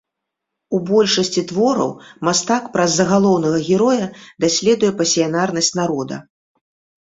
У большасці твораў мастак праз загалоўнага героя даследуе пасіянарнасць народа.